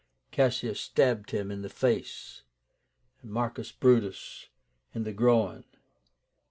Cassius stabbed him in the face, and Marcus Brutus in the groin.